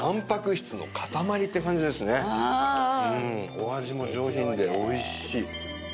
お味も上品でおいしい。